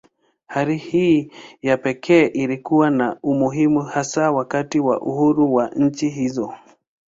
Hali hii ya pekee ilikuwa na umuhimu hasa wakati wa uhuru wa nchi hizo.